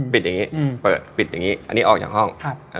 ปิดอย่างนี้เปิดปิดอย่างนี้อันนี้ออกจากห้อง